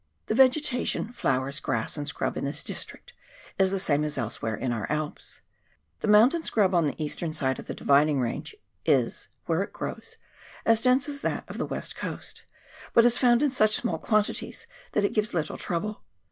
The vegetation, flowers, grass and scrub, in this district, is the same as elsewhere in our Alps. The mountain* scrub on the eastern side of the Dividing Range is — where it grows — as dense as that of the West Coast, but is found in such small quantities that it gives little trouble.